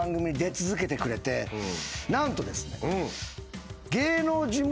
何とですね。